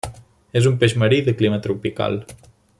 És un peix marí i de clima tropical.